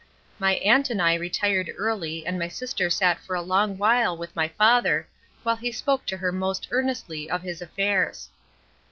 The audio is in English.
My aunt and I retired early and my dear sister sat for a long while with my father while he spoke to her most earnestly of his affairs.